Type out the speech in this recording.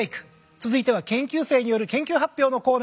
続いては研究生による研究発表のコーナー。